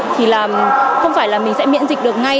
thì là không phải là mình sẽ miễn dịch được ngay